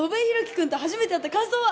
君と初めて会った感想は？